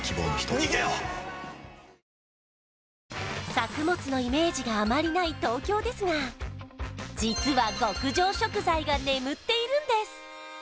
作物のイメージがあまりない東京ですが実は極上食材が眠っているんです！